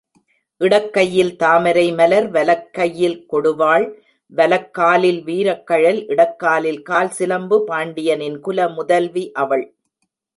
இடக்கையில் தாமரைமலர் வலக்கையில் கொடுவாள் வலக்காலில் வீரக்கழல், இடக்காலில் கால்சிலம்பு, பாண்டியனின் குல முதல்வி அவள்.